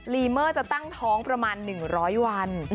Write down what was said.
ลีเมอร์จะตั้งท้องประมาณ๑๐๐วัน